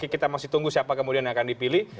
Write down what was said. kita masih tunggu siapa kemudian yang akan dipilih